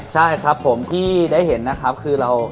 ใช่ครับผมที่ได้เห็นนะครับคือเรา